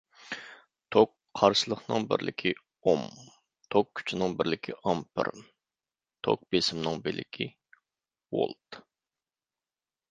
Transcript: توك قارشىلىقىنىڭ بىرلىكى ئوم، توك كۈچىنىڭ بىرلىك ئامپېر، توك بېسىمنىڭ بىلىكى ۋولت.